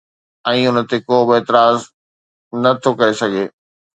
۽ ان تي ڪو به اعتراض نه ٿو ڪري سگهجي